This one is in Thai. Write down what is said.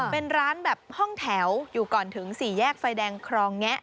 เป็นร้านแบบห้องแถวอยู่ก่อนถึงสี่แยกไฟแดงครองแงะ